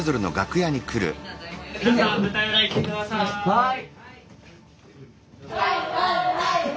はい！